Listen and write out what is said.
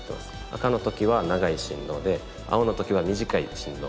赤の時は長い振動で青の時は短い振動。